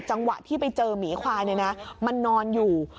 จังหวะที่ไปเจอหมีควายมันนอนอยู่